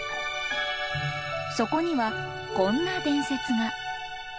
そこにはこんな伝説が。